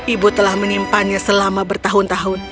ibu telah menyimpannya selama bertahun tahun